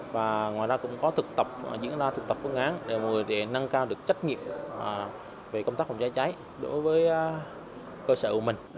và ngoài ra cũng có thực tập diễn ra thực tập phương án để mọi người nâng cao được trách nhiệm về công tác phòng cháy chữa cháy đối với cơ sở của mình